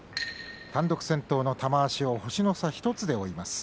単独先頭の玉鷲を星の差１つで追っています。